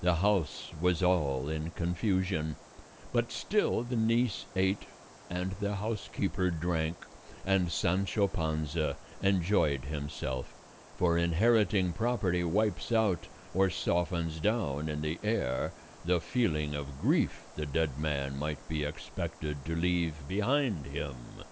The house was all in confusion; but still the niece ate and the housekeeper drank and Sancho Panza enjoyed himself; for inheriting property wipes out or softens down in the heir the feeling of grief the dead man might be expected to leave behind him.